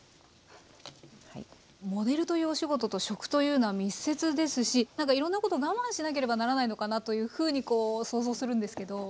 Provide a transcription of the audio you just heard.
モデルというお仕事と食というのは密接ですしなんかいろんなことを我慢しなければならないのかなというふうにこう想像するんですけど。